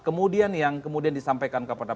kemudian yang kemudian disampaikan kepada